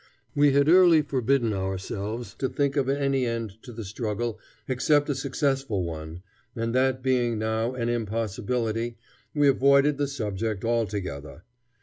We had early forbidden ourselves to think of any end to the struggle except a successful one, and that being now an impossibility, we avoided the subject altogether.